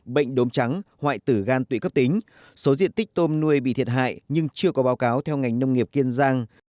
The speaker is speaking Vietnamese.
bệnh đốm trắng hoại tử gan tụy cấp tính số diện tích tôm nuôi bị thiệt hại nhưng chưa có báo cáo theo ngành nông nghiệp kiên giang